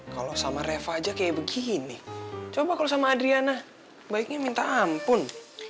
kalau sama reva aja kayak begini coba kalau sama adriana baiknya minta ampun